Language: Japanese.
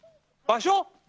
場所？